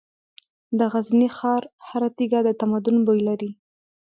د غزني ښار هره تیږه د تمدن بوی لري.